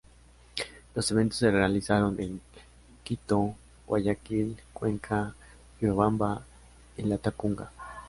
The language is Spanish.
Los eventos se realizaron en Quito, Guayaquil, Cuenca, Riobamba y Latacunga.